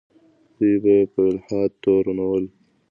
دوی به یې په الحاد تورنول.